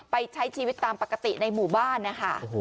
ใช้ชีวิตตามปกติในหมู่บ้านนะคะ